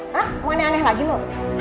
mau aneh aneh lagi lu